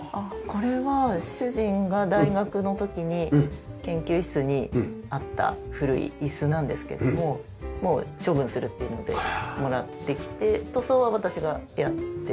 これは主人が大学の時に研究室にあった古い椅子なんですけどももう処分するっていうのでもらってきて塗装は私がやって。